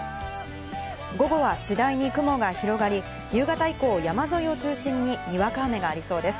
午後は次第に雲が広がり、夕方以降、山沿いを中心ににわか雨がありそうです。